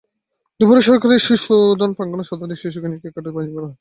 দুপুরে সরকারি শিশুসদন প্রাঙ্গণে শতাধিক শিশুকে নিয়ে কেক কাটার আয়োজন করা হয়।